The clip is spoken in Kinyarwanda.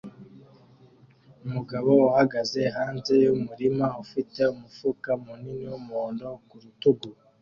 Umugabo uhagaze hanze yumurima ufite umufuka munini wumuhondo ku rutugu